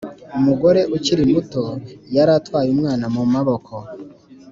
umugore ukiri muto yari atwaye umwana mu maboko.